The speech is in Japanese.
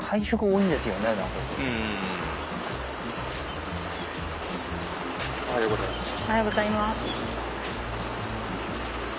おはようございます。